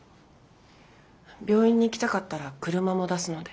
病院に行きたかったら車も出すので。